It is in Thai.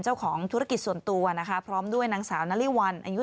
เจ้าของธุรกิจส่วนตัวนะคะพร้อมด้วยนางสาวนาริวัลอายุ